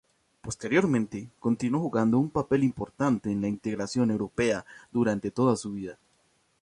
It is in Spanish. Posteriormente, continuó jugando un papel importante en la integración europea durante toda su vida.